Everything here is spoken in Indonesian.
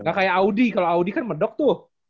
nggak kayak audi kalau audi kan mendok tuh